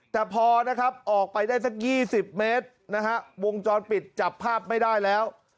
แต่พอออกไปได้สัก๒๐เมตรวงจรปิดจับภาพไม่ได้แล้ว